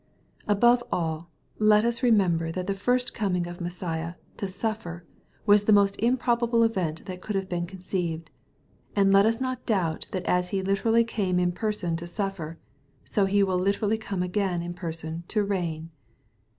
Above all, let us remember that the first coming of Messiah to suffer ^ was the most improbable event that could have been conceived, and let us not doubt that as He literally came in person to suffer, so He wiU literally come again in person to reign.